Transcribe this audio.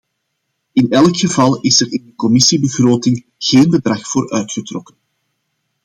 In elk geval is er in de commissiebegroting geen bedrag voor uitgetrokken.